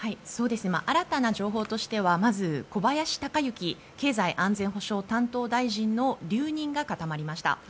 新たな情報としてはまず小林鷹之経済安全保障担当大臣の留任が固まりました。